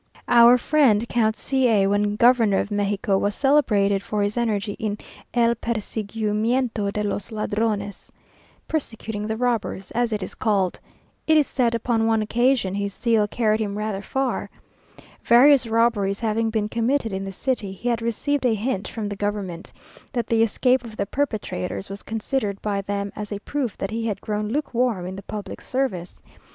Our friend, Count C a, when Governor of Mexico, was celebrated for his energy in "el persiguimiento de los ladrones," (persecuting the robbers,) as it is called. It is said upon one occasion his zeal carried him rather far. Various robberies having been committed in the city, he had received a hint from the government, that the escape of the perpetrators was considered by them as a proof that he had grown lukewarm in the public service.